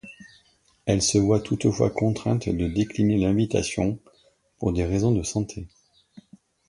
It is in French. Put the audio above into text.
Elle se voit toutefois contrainte de décliner l'invitation pour des raisons de santé.